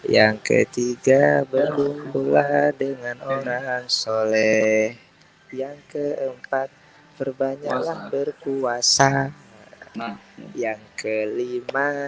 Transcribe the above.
yang ketiga berbunculah dengan orang soleh yang keempat perbanyaklah berkuasa nah yang kelima